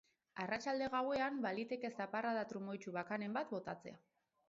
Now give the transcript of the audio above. Arratsalde-gauean baliteke zaparrada trumoitsu bakanen bat botatzea.